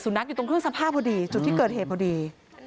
นักอยู่ตรงเครื่องสภาพพอดีจุดที่เกิดเหตุพอดี